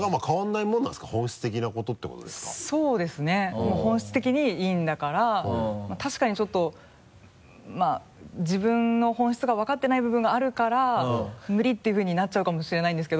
もう本質的に陰だからまぁ確かにちょっとまぁ自分の本質が分かってない部分があるから無理っていうふうになっちゃうかもしれないんですけど。